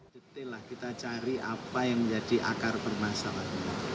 detail lah kita cari apa yang menjadi akar permasalahan